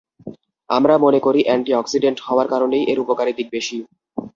আমরা মনে করি, অ্যান্টি অক্সিডেন্ট হওয়ার কারণেই এর উপকারী দিক বেশি।